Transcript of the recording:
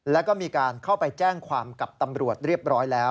แล้วก็มีการเข้าไปแจ้งความกับตำรวจเรียบร้อยแล้ว